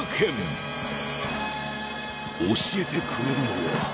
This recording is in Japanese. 教えてくれるのは。